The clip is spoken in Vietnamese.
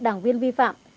đảng viên vi phạm